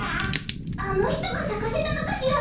あのひとがさかせたのかしら？